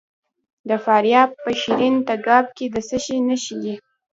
د فاریاب په شیرین تګاب کې د څه شي نښې دي؟